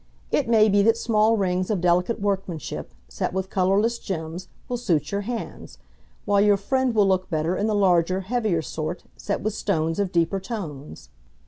It may be that small rings of delicate workmanship, set with colourless gems, will suit your hands; while your friend will look better in the larger, heavier sort, set with stones of deeper tones.